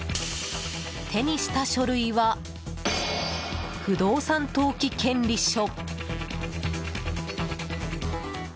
手にした書類は不動産登記権利書。